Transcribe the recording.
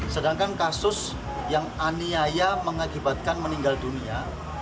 sedangkan kasus yang aniaya mengakibatkan meninggal dunia